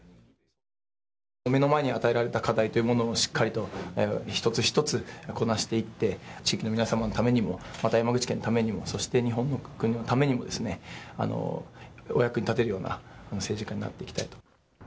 目の前に与えられた課題というものをしっかりと一つ一つこなしていって、地域の皆様のためにも、また山口県のためにも、そして日本の国のためにもお役に立てるような政治家になっていきたいと。